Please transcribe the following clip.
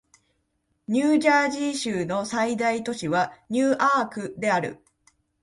ニュージャージー州の最大都市はニューアークである